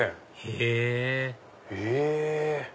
へぇへぇ！